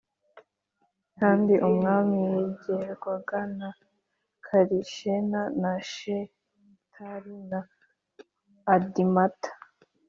kandi umwami yegerwaga na Karishena na Shetari na Adimata